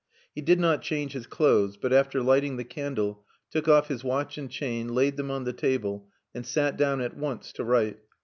He did not change his clothes, but, after lighting the candle, took off his watch and chain, laid them on the table, and sat down at once to write.